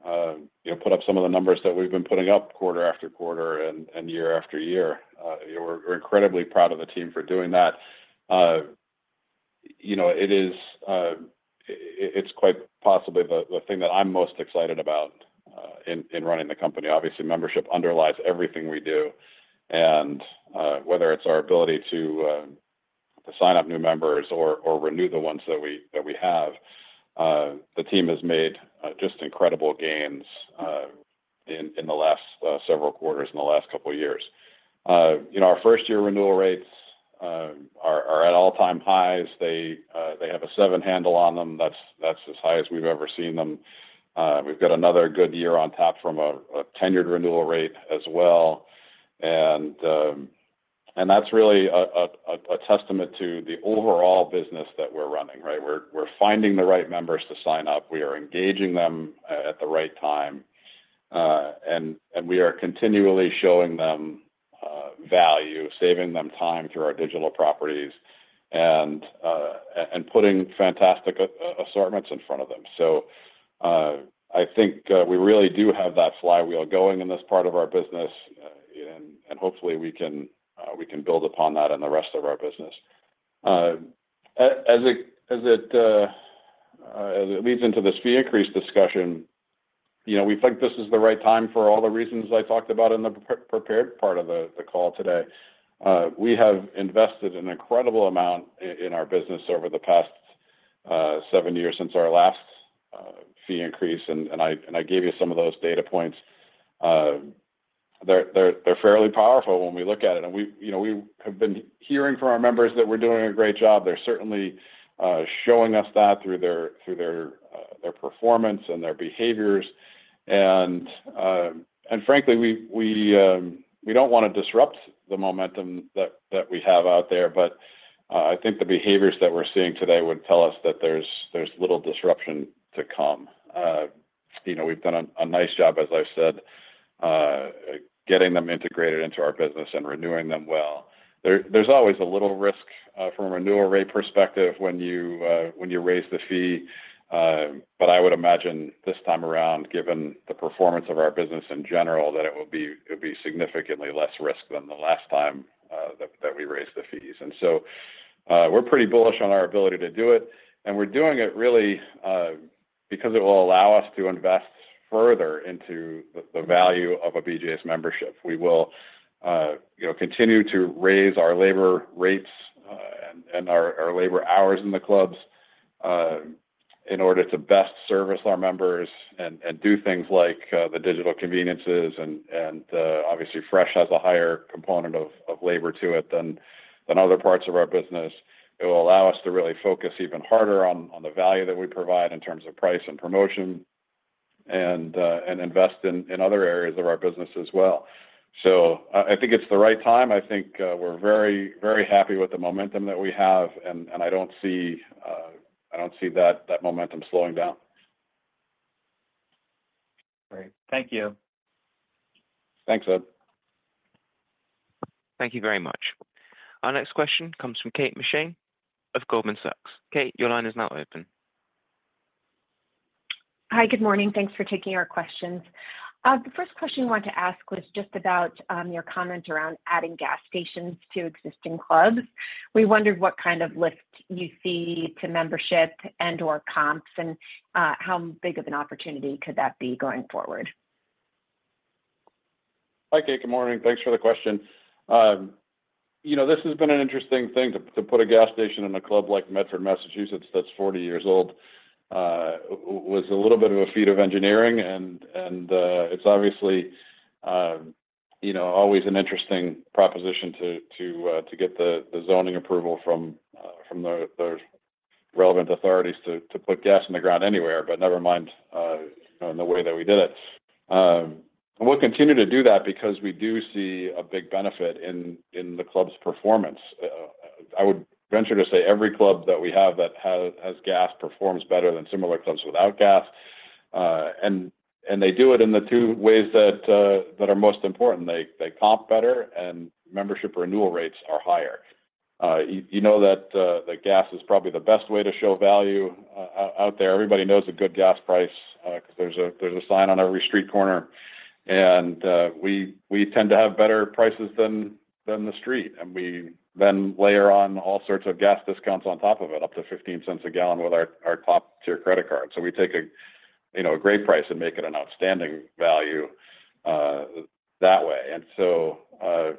us to put up some of the numbers that we've been putting up quarter after quarter and year after year. We're incredibly proud of the team for doing that. It's quite possibly the thing that I'm most excited about in running the company. Obviously, membership underlies everything we do. And whether it's our ability to sign up new members or renew the ones that we have, the team has made just incredible gains in the last several quarters, in the last couple of years. Our first-year renewal rates are at all-time highs. They have a seven handle on them. That's as high as we've ever seen them. We've got another good year on tap from a tenured renewal rate as well. And that's really a testament to the overall business that we're running, right? We're finding the right members to sign up. We are engaging them at the right time. And we are continually showing them value, saving them time through our digital properties, and putting fantastic assortments in front of them. So I think we really do have that flywheel going in this part of our business, and hopefully, we can build upon that in the rest of our business. As it leads into this fee increase discussion, we think this is the right time for all the reasons I talked about in the prepared part of the call today. We have invested an incredible amount in our business over the past seven years since our last fee increase. And I gave you some of those data points. They're fairly powerful when we look at it. And we have been hearing from our members that we're doing a great job. They're certainly showing us that through their performance and their behaviors. And frankly, we don't want to disrupt the momentum that we have out there. But I think the behaviors that we're seeing today would tell us that there's little disruption to come. We've done a nice job, as I've said, getting them integrated into our business and renewing them well. There's always a little risk from a renewal rate perspective when you raise the fee. But I would imagine this time around, given the performance of our business in general, that it will be significantly less risk than the last time that we raised the fees. And so we're pretty bullish on our ability to do it. And we're doing it really because it will allow us to invest further into the value of a BJ's membership. We will continue to raise our labor rates and our labor hours in the clubs in order to best service our members and do things like the digital conveniences. And obviously, fresh has a higher component of labor to it than other parts of our business. It will allow us to really focus even harder on the value that we provide in terms of price and promotion and invest in other areas of our business as well. So I think it's the right time. I think we're very, very happy with the momentum that we have. And I don't see that momentum slowing down. Great. Thank you. Thanks, Ed. Thank you very much. Our next question comes from Kate McShane of Goldman Sachs. Kate, your line is now open. Hi. Good morning. Thanks for taking our questions. The first question I wanted to ask was just about your comment around adding gas stations to existing clubs. We wondered what kind of lift you see to membership and/or comps and how big of an opportunity could that be going forward. Hi, Kate. Good morning. Thanks for the question. This has been an interesting thing to put a gas station in a club like Medford, Massachusetts, that's 40 years old. It was a little bit of a feat of engineering. And it's obviously always an interesting proposition to get the zoning approval from the relevant authorities to put gas in the ground anywhere, but never mind in the way that we did it. And we'll continue to do that because we do see a big benefit in the club's performance. I would venture to say every club that we have that has gas performs better than similar clubs without gas. And they do it in the two ways that are most important. They comp better, and membership renewal rates are higher. You know that gas is probably the best way to show value out there. Everybody knows a good gas price because there's a sign on every street corner. And we tend to have better prices than the street. And we then layer on all sorts of gas discounts on top of it, up to $0.15 a gallon with our top-tier credit card. So we take a great price and make it an outstanding value that way. And so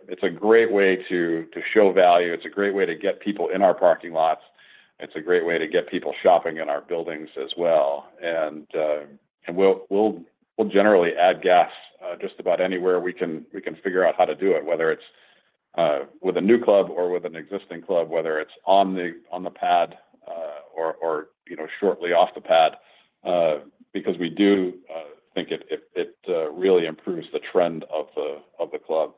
it's a great way to show value. It's a great way to get people in our parking lots. It's a great way to get people shopping in our buildings as well. And we'll generally add gas just about anywhere we can figure out how to do it, whether it's with a new club or with an existing club, whether it's on the pad or shortly off the pad, because we do think it really improves the trend of the club.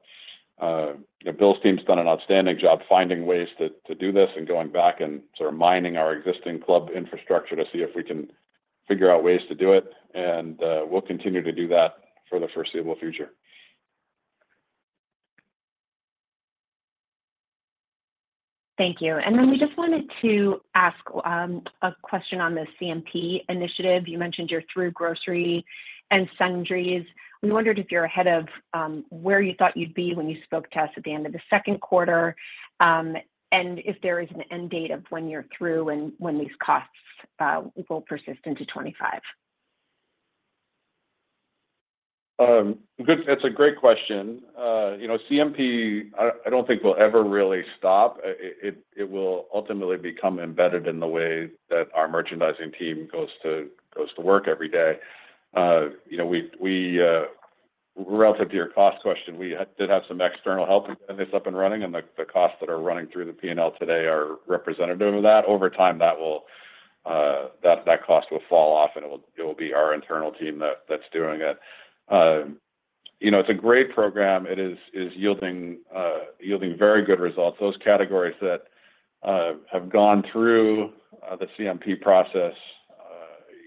Bill's team's done an outstanding job finding ways to do this and going back and sort of mining our existing club infrastructure to see if we can figure out ways to do it. And we'll continue to do that for the foreseeable future. Thank you. And then we just wanted to ask a question on the CMP initiative. You mentioned you're through grocery and sundries. We wondered if you're ahead of where you thought you'd be when you spoke to us at the end of the second quarter and if there is an end date of when you're through and when these costs will persist into 2025. That's a great question. CMP, I don't think we'll ever really stop. It will ultimately become embedded in the way that our merchandising team goes to work every day. Relative to your cost question, we did have some external help getting this up and running, and the costs that are running through the P&L today are representative of that. Over time, that cost will fall off, and it will be our internal team that's doing it. It's a great program. It is yielding very good results. Those categories that have gone through the CMP process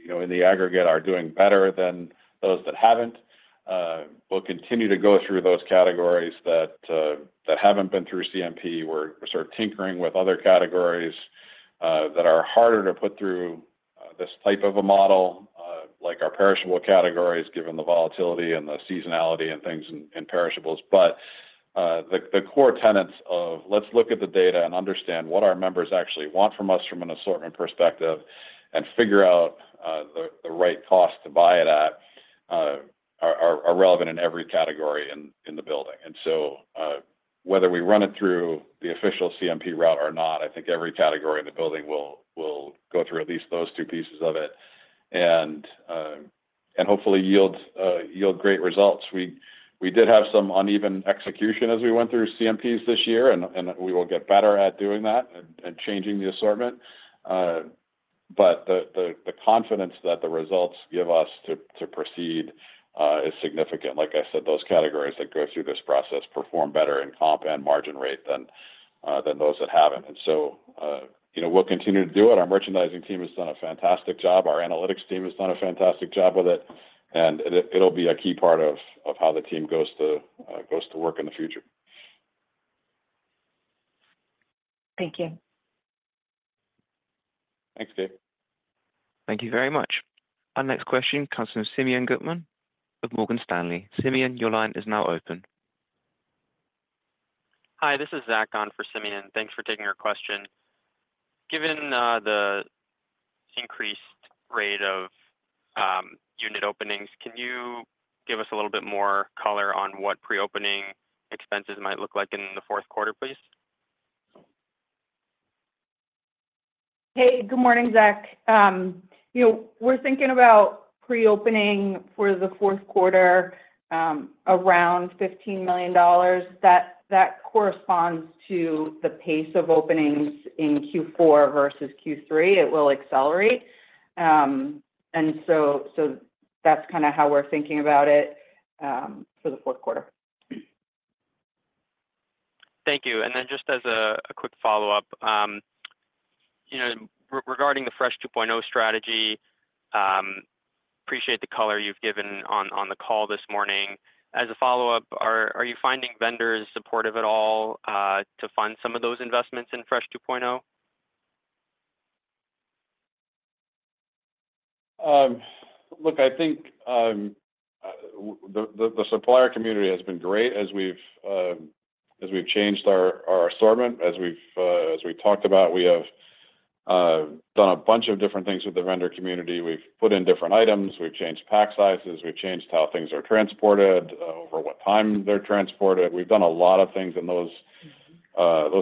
in the aggregate are doing better than those that haven't. We'll continue to go through those categories that haven't been through CMP. We're sort of tinkering with other categories that are harder to put through this type of a model, like our perishable categories, given the volatility and the seasonality and things in perishables. But the core tenets of, "Let's look at the data and understand what our members actually want from us from an assortment perspective and figure out the right cost to buy it at," are relevant in every category in the building. And so whether we run it through the official CMP route or not, I think every category in the building will go through at least those two pieces of it and hopefully yield great results. We did have some uneven execution as we went through CMPs this year, and we will get better at doing that and changing the assortment. But the confidence that the results give us to proceed is significant. Like I said, those categories that go through this process perform better in comp and margin rate than those that haven't. And so we'll continue to do it. Our merchandising team has done a fantastic job. Our analytics team has done a fantastic job with it. And it'll be a key part of how the team goes to work in the future. Thank you. Thanks, Kate. Thank you very much. Our next question comes from Simeon Gutmann of Morgan Stanley. Simeon, your line is now open. Hi. This is Zach on for Simeon. Thanks for taking our question. Given the increased rate of unit openings, can you give us a little bit more color on what pre-opening expenses might look like in the fourth quarter, please? Hey, good morning, Zach. We're thinking about pre-opening for the fourth quarter around $15 million. That corresponds to the pace of openings in Q4 versus Q3. It will accelerate. And so that's kind of how we're thinking about it for the fourth quarter. Thank you. And then just as a quick follow-up, regarding the Fresh 2.0 strategy, appreciate the color you've given on the call this morning. As a follow-up, are you finding vendors supportive at all to fund some of those investments in Fresh 2.0? Look, I think the supplier community has been great as we've changed our assortment. As we've talked about, we have done a bunch of different things with the vendor community. We've put in different items. We've changed pack sizes. We've changed how things are transported, over what time they're transported. We've done a lot of things. And those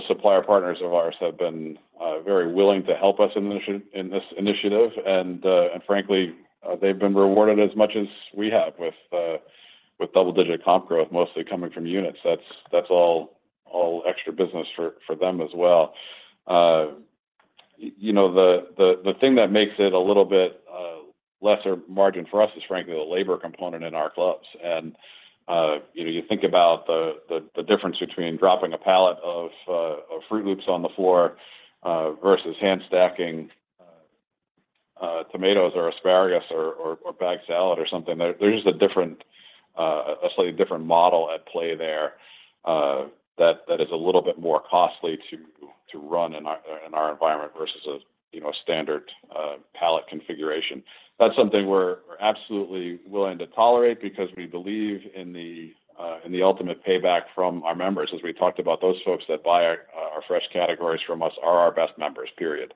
supplier partners of ours have been very willing to help us in this initiative. And frankly, they've been rewarded as much as we have with double-digit comp growth, mostly coming from units. That's all extra business for them as well. The thing that makes it a little bit lesser margin for us is, frankly, the labor component in our clubs. And you think about the difference between dropping a pallet of Froot Loops on the floor versus hand-stacking tomatoes or asparagus or bagged salad or something. There's a slightly different model at play there that is a little bit more costly to run in our environment versus a standard pallet configuration. That's something we're absolutely willing to tolerate because we believe in the ultimate payback from our members. As we talked about, those folks that buy our fresh categories from us are our best members, period.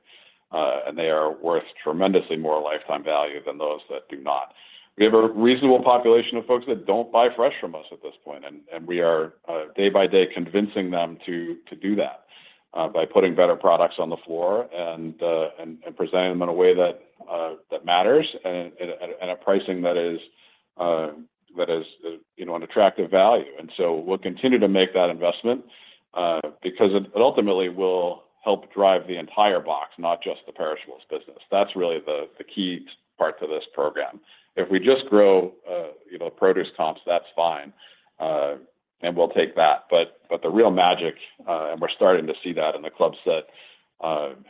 And they are worth tremendously more lifetime value than those that do not. We have a reasonable population of folks that don't buy fresh from us at this point. And we are day by day convincing them to do that by putting better products on the floor and presenting them in a way that matters and at pricing that is an attractive value. And so we'll continue to make that investment because it ultimately will help drive the entire box, not just the perishables business. That's really the key part to this program. If we just grow produce comps, that's fine. And we'll take that. But the real magic, and we're starting to see that in the clubs that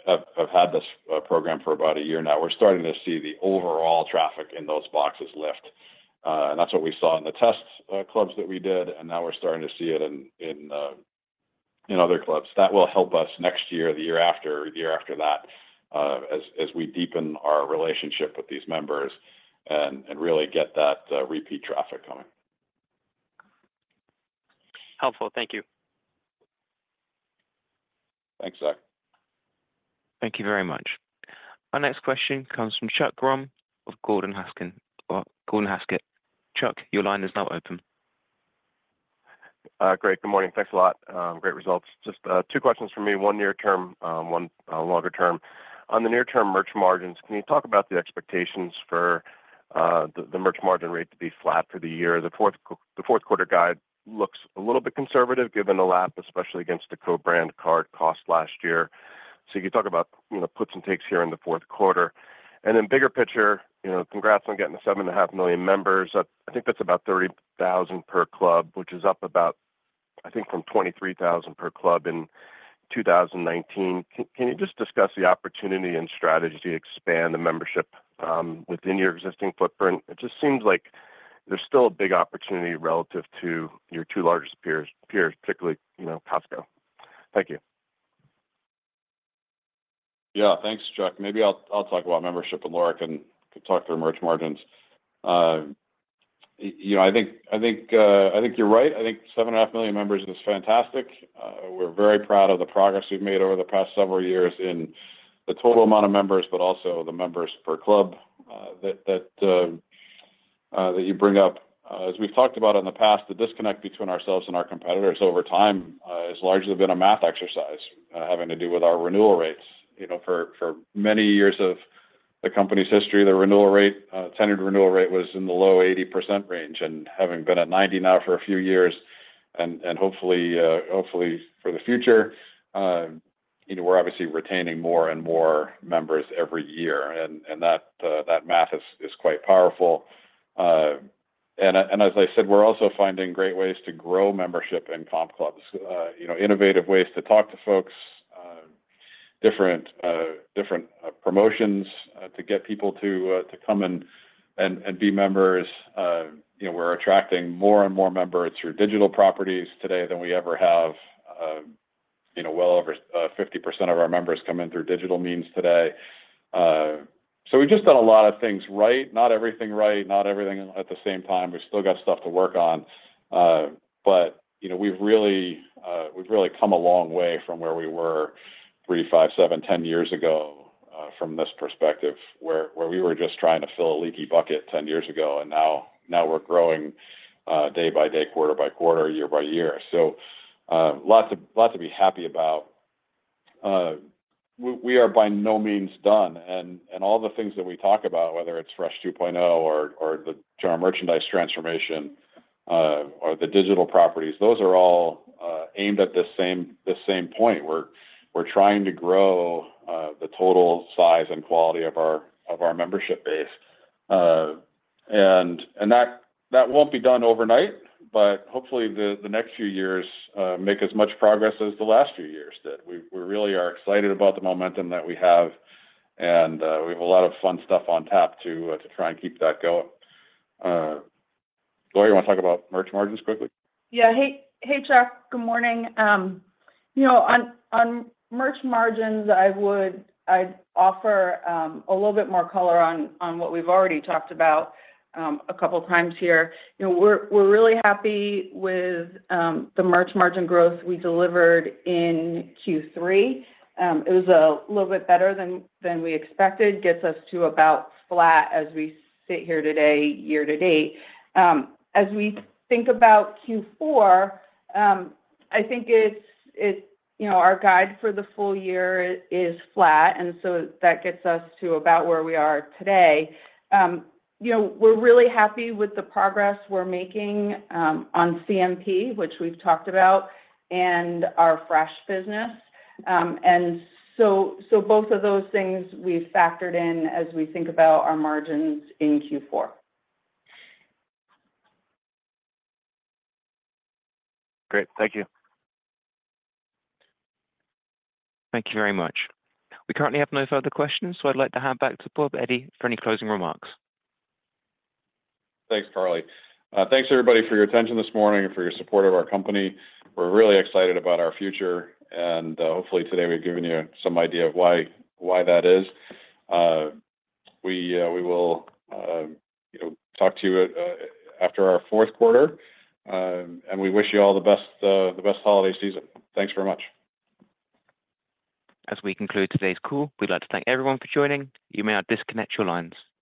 have had this program for about a year now, we're starting to see the overall traffic in those boxes lift. And that's what we saw in the test clubs that we did. And now we're starting to see it in other clubs. That will help us next year, the year after, the year after that, as we deepen our relationship with these members and really get that repeat traffic coming. Helpful. Thank you. Thanks, Zach. Thank you very much. Our next question comes from Chuck Grom of Gordon Haskett. Chuck, your line is now open. Great. Good morning. Thanks a lot. Great results. Just two questions for me, one near term, one longer term. On the near-term merch margins, can you talk about the expectations for the merch margin rate to be flat for the year? The fourth quarter guide looks a little bit conservative given the lap, especially against the co-brand card cost last year. So you can talk about puts and takes here in the fourth quarter. Bigger picture, congrats on getting the 7.5 million members. I think that's about 30,000 per club, which is up about, I think, from 23,000 per club in 2019. Can you just discuss the opportunity and strategy to expand the membership within your existing footprint? It just seems like there's still a big opportunity relative to your two largest peers, particularly Costco. Thank you. Yeah. Thanks, Chuck. Maybe I'll talk about membership with Laura and talk through merch margins. I think you're right. I think 7.5 million members is fantastic. We're very proud of the progress we've made over the past several years in the total amount of members, but also the members per club that you bring up. As we've talked about in the past, the disconnect between ourselves and our competitors over time has largely been a math exercise, having to do with our renewal rates. For many years of the company's history, the tenured renewal rate was in the low 80% range. And having been at 90% now for a few years, and hopefully for the future, we're obviously retaining more and more members every year. And that math is quite powerful. And as I said, we're also finding great ways to grow membership in comp clubs, innovative ways to talk to folks, different promotions to get people to come and be members. We're attracting more and more members through digital properties today than we ever have. Well over 50% of our members come in through digital means today. So we've just done a lot of things right, not everything right, not everything at the same time. We've still got stuff to work on. But we've really come a long way from where we were three, five, seven, 10 years ago from this perspective, where we were just trying to fill a leaky bucket 10 years ago. And now we're growing day by day, quarter by quarter, year by year. So lots to be happy about. We are by no means done. And all the things that we talk about, whether it's Fresh 2.0 or the general merchandise transformation or the digital properties, those are all aimed at the same point. We're trying to grow the total size and quality of our membership base. And that won't be done overnight, but hopefully the next few years make as much progress as the last few years did. We really are excited about the momentum that we have. And we have a lot of fun stuff on tap to try and keep that going. Laura, you want to talk about merch margins quickly? Yeah. Hey, Chuck. Good morning. On merch margins, I'd offer a little bit more color on what we've already talked about a couple of times here. We're really happy with the merch margin growth we delivered in Q3. It was a little bit better than we expected. Gets us to about flat as we sit here today, year to date. As we think about Q4, I think our guide for the full year is flat. And so that gets us to about where we are today. We're really happy with the progress we're making on CMP, which we've talked about, and our fresh business. And so both of those things we've factored in as we think about our margins in Q4. Great. Thank you. Thank you very much. We currently have no further questions, so I'd like to hand back to Bob Eddy for any closing remarks. Thanks, Carly. Thanks, everybody, for your attention this morning and for your support of our company. We're really excited about our future, and hopefully today we've given you some idea of why that is. We will talk to you after our fourth quarter, and we wish you all the best holiday season. Thanks very much. As we conclude today's call, we'd like to thank everyone for joining. You may now disconnect your lines.